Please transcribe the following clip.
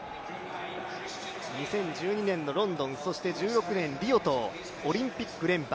２０１２年のロンドン、１６年リオとオリンピック連覇。